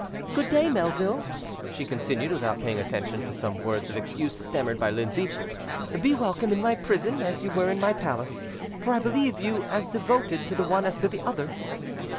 "Good day, Melville," she continued, without paying attention to some words of excuse stammered by Lindsay; "be welcome in my prison, as you were in my palace; for I believe you as devoted to the one as to the other".